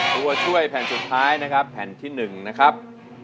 ตัวช่วยแผ่นสุดท้ายนะครับแผ่นที่๑นะครับ